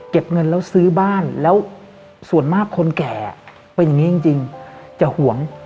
เงินแล้วซื้อบ้านแล้วส่วนมากคนแก่เป็นอย่างนี้จริงจะห่วง